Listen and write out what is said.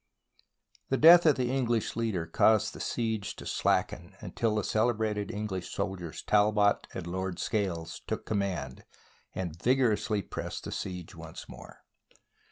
The death of the English leader caused the siege to slacken until the celebrated English soldiers Tal bot and Lord Scales took command and vigorous ly pressed the siege once more.